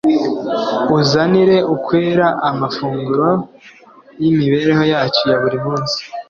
uzanira ukwera amafunguro y'imibereho yacu ya buri munsi.